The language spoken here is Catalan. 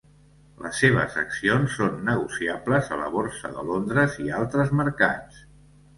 Les seves accions són negociables a la Borsa de Londres i altres mercats.